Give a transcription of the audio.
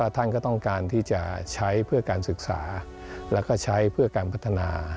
ท่านก็ต้องการที่จะใช้เพื่อการศึกษาและการพัฒนา